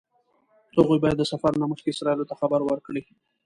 هغوی باید د سفر نه مخکې اسرائیلو ته خبر ورکړي.